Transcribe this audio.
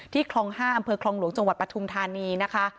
ที่คลองห้ามอำเภอคลองหลวงจังหวัดปทุมธานี